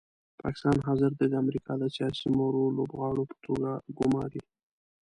پاکستان حاضر دی د امریکا د سیاسي مهرو لوبغاړو په توګه ګوماري.